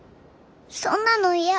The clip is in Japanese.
そんなの嫌。